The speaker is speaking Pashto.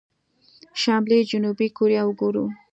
شمالي جنوبي کوريا وګورو.